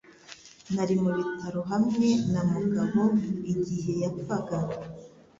Nari mu bitaro hamwe na Mugabo igihe yapfaga.